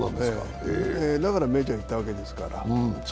だからメジャー行ったわけですから。